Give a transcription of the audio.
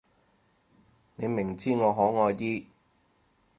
你明知我可愛啲